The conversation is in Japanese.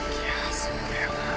そうだよな。